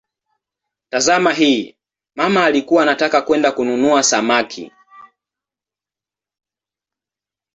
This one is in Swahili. Tazama hii: "mama alikuwa anataka kwenda kununua samaki".